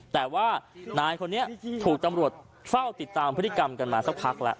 แต่ว่านายคนนี้ถูกตำรวจเฝ้าติดตามพฤติกรรมกันมาสักพักแล้ว